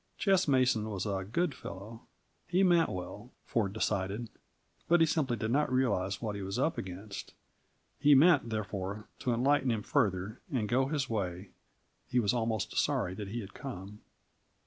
Ches Mason was a good fellow; he meant well, Ford decided, but he simply did not realize what he was up against. He meant, therefore, to enlighten him further, and go his way. He was almost sorry that he had come.